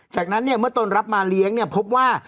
จากนั้นเมื่อตนรับมาเลี้ยงพบว่า